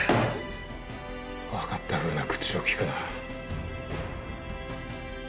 分かったふうな口を利くな。